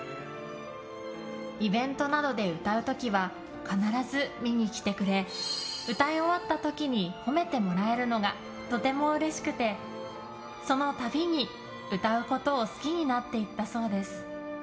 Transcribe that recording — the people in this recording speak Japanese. イベントなどで歌う時は必ず見に来てくれ歌い終わった時に褒めてもらえるのがとてもうれしくてそのたびに歌うことを好きになっていったそうです。